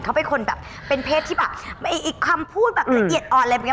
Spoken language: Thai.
เขาเป็นคนแบบเป็นเพศที่แบบอีกคำพูดแบบละเอียดอ่อนอะไรแบบนี้